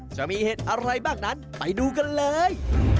จะมีเห็ดอะไรบ้างนั้นไปดูกันเลย